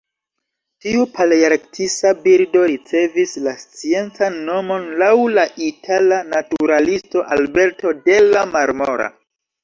Tiu palearktisa birdo ricevis la sciencan nomon laŭ la itala naturalisto Alberto della Marmora.